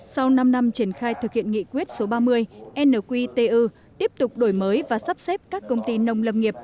sau năm năm triển khai thực hiện nghị quyết số ba mươi nqtu tiếp tục đổi mới và sắp xếp các công ty nông lâm nghiệp